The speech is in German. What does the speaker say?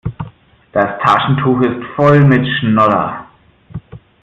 Das Taschentuch ist voll mit Schnodder.